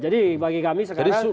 jadi bagi kami sekarang